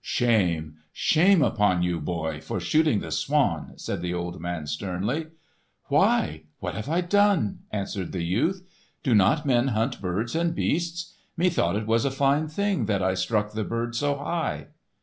"Shame, shame upon you, boy, for shooting the swan!" said the old man sternly. "Why, what have I done?" answered the youth. "Do not men hunt birds and beasts? Methought it was a fine thing that I struck the bird so high."